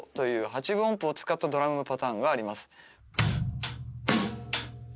「８分音符を使ったドラムのパターンがあります」